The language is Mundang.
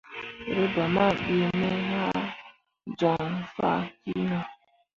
Reba ma ɓii me ah joŋ fah kino.